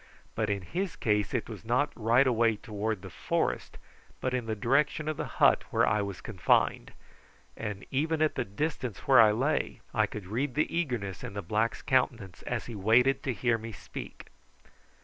But in his case it was not right away toward the forest, but in the direction of the hut where I was confined, and even at the distance where I lay I could read the eagerness in the black's countenance as he waited to hear me speak.